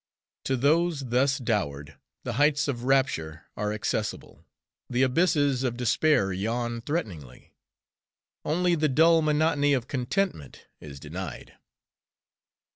To those thus dowered, the heights of rapture are accessible, the abysses of despair yawn threateningly; only the dull monotony of contentment is denied.